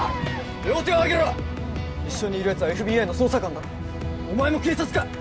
両手をあげろ一緒にいるやつはＦＢＩの捜査官だろお前も警察か？